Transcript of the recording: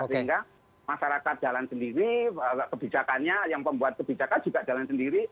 sehingga masyarakat jalan sendiri kebijakannya yang pembuat kebijakan juga jalan sendiri